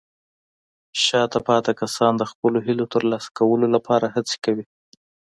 شاته پاتې کسان د خپلو هیلو ترلاسه کولو لپاره هڅې کوي.